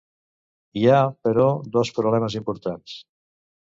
Hi ha, però, dos problemes importants.